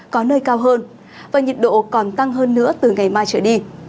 có nơi cao hơn và nhiệt độ còn tăng hơn nữa từ ngày mai trở đi